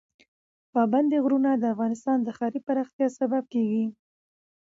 پابندی غرونه د افغانستان د ښاري پراختیا سبب کېږي.